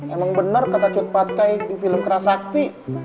emang bener kata cut patkai di film kerasakti